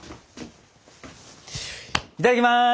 いただきます！